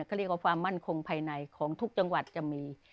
ความมั่นคงภายในของทุกจังหวัดจะมี